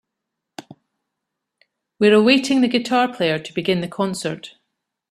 We were awaiting the guitar player to begin the concert.